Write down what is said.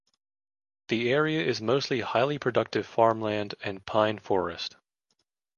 The area is mostly highly productive farmland and pine forest.